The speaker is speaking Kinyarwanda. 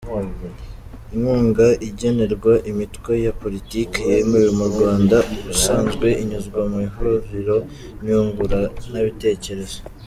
Inkunga igenerwa imitwe ya politiki yemewe mu Rwanda, ubusanzwe inyuzwa mu ihuriro nyunguranabitekerezo.